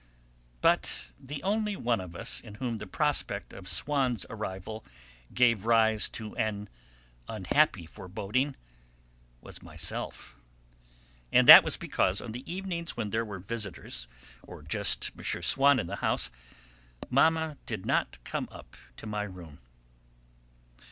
But the only one of us in whom the prospect of Swann's arrival gave rise to an unhappy foreboding was myself. And that was because on the evenings when there were visitors, or just M. Swann in the house, Mamma did not come up to my room.